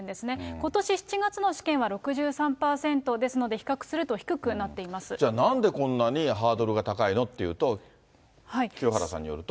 ことし７月の試験は６３％ですのじゃあなんでこんなにハードルが高いの？っていうと、清原さんによると。